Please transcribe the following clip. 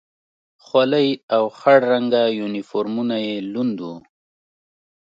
خولۍ او خړ رنګه یونیفورمونه یې لوند و.